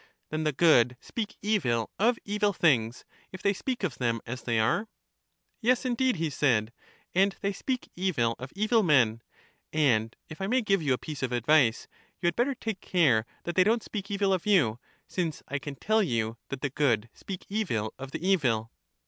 Then the good speak evil of evil things, if they speak of them as they are? Yes, indeed, he said; and they speak evil of edl men. And if I may give you a piece of advice, you had better take care that they don't speak evil of you^ since I can tell you that the good speak evil of the evil.